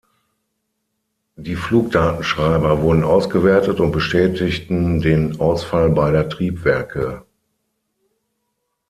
Die Flugdatenschreiber wurden ausgewertet und bestätigten den Ausfall beider Triebwerke.